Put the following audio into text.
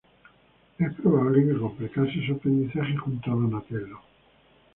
Es probable que completase su aprendizaje junto a Donatello.